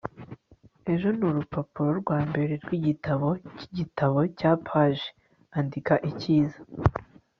ejo nurupapuro rwambere rwigitabo cyigitabo cya page . andika icyiza